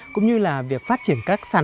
hướng tới mục tiêu xuất khẩu sang nhật bản